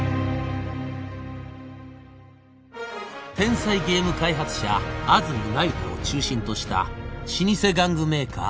天才ゲーム開発者安積那由他を中心とした老舗玩具メーカー